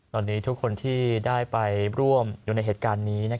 ตอนนี้ทุกคนที่ได้ไปร่วมอยู่ในเหตุการณ์นี้